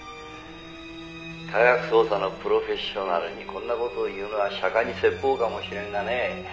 「科学捜査のプロフェッショナルにこんな事を言うのは釈迦に説法かもしれんがね